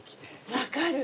分かる。